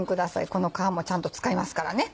この皮もちゃんと使いますからね。